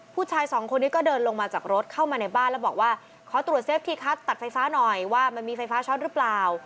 ผู้ชายสองคนนี้ก็เดินลงมาจากรถเข้ามาในบ้านแล้วบอกว่าขอตรวจเซฟที่คัดตัดไฟฟ้าหน่อยว่ามันมีไฟฟ้าช็อตหรือเปล่า